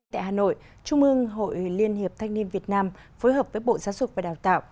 tại hà nội trung ương hội liên hiệp thanh niên việt nam phối hợp với bộ giáo dục và đào tạo